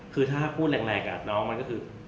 คือถ้าพูดแรงน้องมันก็คือ